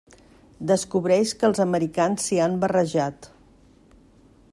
Descobreix que els americans s'hi han barrejat.